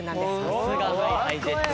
さすがＨｉＨｉＪｅｔｓ。